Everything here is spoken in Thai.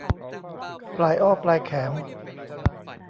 ปลายอ้อปลายแขม